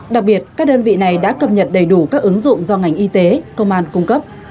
đặc biệt các đơn vị này đã cập nhật đầy đủ các ứng dụng do ngành y tế công an cung cấp